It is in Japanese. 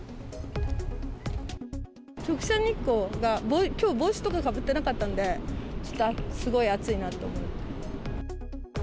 直射日光が、きょう、帽子とかかぶってなかったんで、ちょっとすごい暑いなと思う。